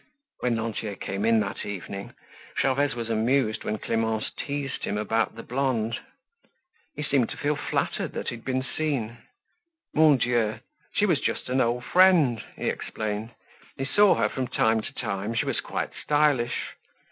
When Lantier came in that evening, Gervaise was amused when Clemence teased him about the blonde. He seemed to feel flattered that he had been seen. Mon Dieu! she was just an old friend, he explained. He saw her from time to time. She was quite stylish.